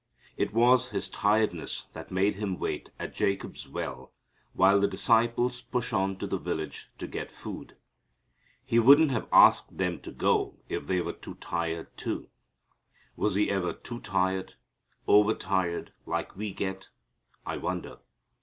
It was His tiredness that made Him wait at Jacob's well while the disciples push on to the village to get food. He wouldn't have asked them to go if they were too tired, too. Was He ever too tired over tired like we get? I wonder.